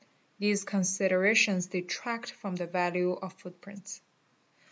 These considerations detract, from the value of footprints.